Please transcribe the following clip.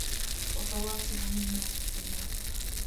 وَفَوَاكِهَ مِمَّا يَشْتَهُونَ